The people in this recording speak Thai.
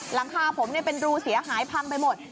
หลังคาผมเป็นรูเสียหายพังไปหมด